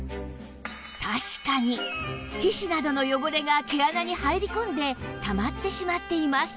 確かに皮脂などの汚れが毛穴に入り込んでたまってしまっています